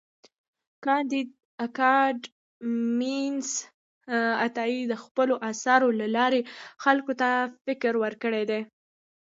کانديد اکاډميسن عطايي د خپلو اثارو له لارې خلکو ته فکر ورکړی دی.